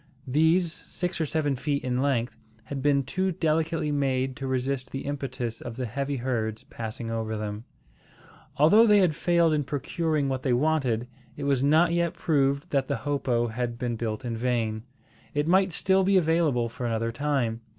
These, six or seven feet in length, had been too delicately made to resist the impetus of the heavy herds passing over them. Although they had failed in procuring what they wanted, it was not yet proved that the hopo had been built in vain. It might still be available for another time.